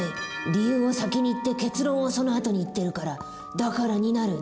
理由を先に言って結論をそのあとに言ってるから「だから」になる。